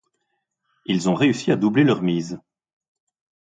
Ils ont réussi à doubler leur mise.